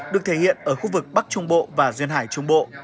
được thể hiện ở khu vực bắc trung bộ và duyên hải trung bộ